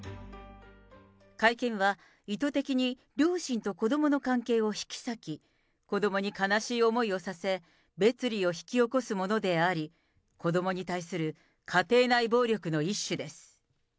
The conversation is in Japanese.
会見は意図的に両親と子どもの関係を引き裂き、子どもに悲しい思いをさせ、別離を引き起こすものであり、子どもに対する家庭内暴力の一種です。